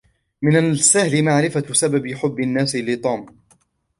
مِن السهل معرفة سبب حبّ الناس لِتوم.